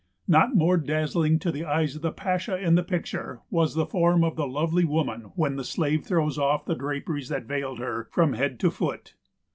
Not more dazzling to the eyes of the pasha in the picture was the form of the lovely woman when the slave throws off the draperies that veiled her from head to foot.